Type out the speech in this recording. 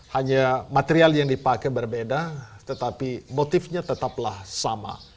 hanya material yang dipakai berbeda tetapi motifnya tetaplah sama